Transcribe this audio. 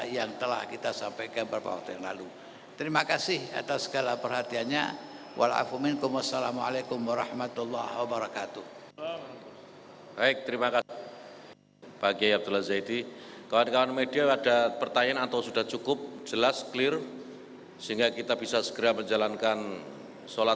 yang telah kita sampaikan beberapa waktu yang lalu